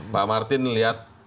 pak martin lihat